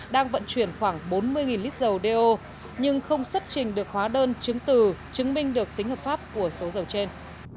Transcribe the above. đang vận chuyển khoảng bốn mươi lít dầu do nhưng không xuất trình được hóa đơn chứng từ chứng minh được tính hợp pháp của số dầu trên